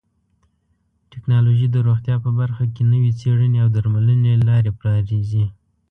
ټکنالوژي د روغتیا په برخه کې نوې څیړنې او درملنې لارې پرانیزي.